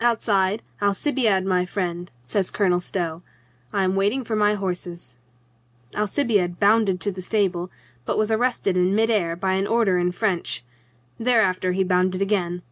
Outside, "Alcibiade, my friend," says Colonel Stow, "I am waiting for my horses." Alcibiade bounded to the stable, but was arrested in mid air by an order in French. Thereafter he bounded again.